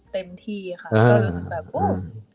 เต็มที่ค่ะ